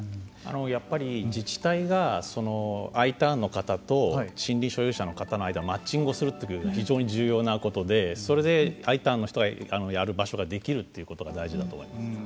やっぱり自治体がＩターンの方と森林所有者の方の間をマッチングをするというのが非常に重要なことでそれでＩターンの人がやる場所ができるということが大事だと思います。